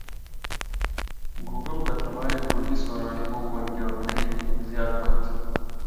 گووگڵ بەتەمایە کوردیی سۆرانی بۆ وەرگێڕەکەی زیاد بکات.